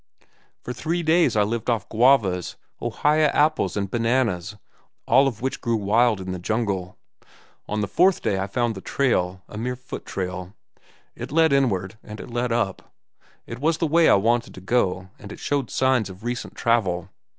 For three days I lived off guavas, ohia apples, and bananas, all of which grew wild in the jungle. On the fourth day I found the trail—a mere foot trail. It led inland, and it led up. It was the way I wanted to go, and it showed signs of recent travel.